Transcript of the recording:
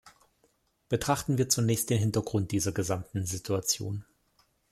Betrachten wir zunächst den Hintergrund dieser gesamten Situation.